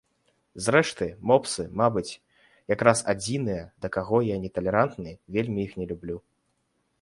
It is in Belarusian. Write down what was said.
Зрэшты, мопсы, мабыць, якраз адзіныя, да каго я не талерантны, вельмі іх не люблю.